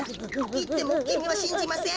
いってもきみはしんじません？